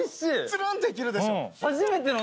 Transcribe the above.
つるんといけるでしょ。